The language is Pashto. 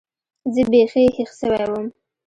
زه بيخي هېښ سوى وم.